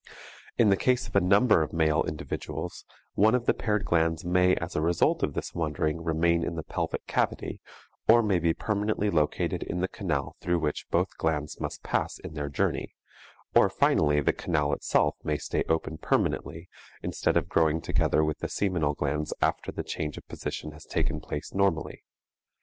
In the case of a number of male individuals, one of the paired glands may as a result of this wandering remain in the pelvic cavity, or may be permanently located in the canal through which both glands must pass in their journey, or finally the canal itself may stay open permanently instead of growing together with the seminal glands after the change of position has taken place normally.